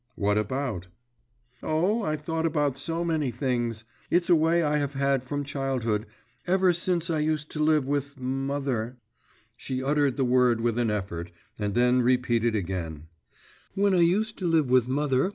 'What about?' 'Oh, I thought about so many things. It's a way I have had from childhood; ever since I used to live with mother ' She uttered the word with an effort, and then repeated again 'When I used to live with mother.